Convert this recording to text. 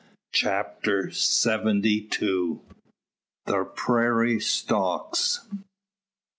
CHAPTER SEVENTY TWO. THE PRAIRIE STOCKS.